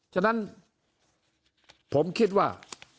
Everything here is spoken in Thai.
ฉะนั้นผมคิดว่า